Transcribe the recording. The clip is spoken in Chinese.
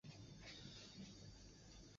前传是原作品衍生作品的一种。